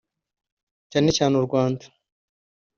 cyane cyane u Rwanda